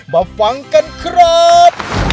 มาฟังกันครับ